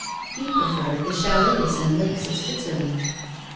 He preferred the chalets and lakes of Switzerland.